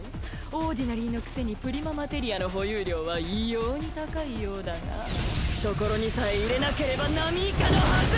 オーディナリーのくせにプリママテリアの保有量は異様に高いようだが懐にさえ入れなければ並以下のはず！